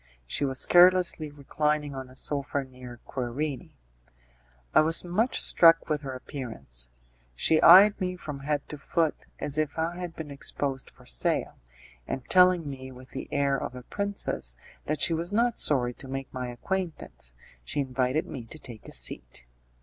She was carelessly reclining on a sofa near Querini. I was much struck with her appearance. She eyed me from head to foot, as if I had been exposed for sale, and telling me, with the air of a princess, that she was not sorry to make my acquaintance, she invited me to take a seat.